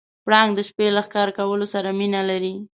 پړانګ د شپې له ښکار کولو سره مینه لري.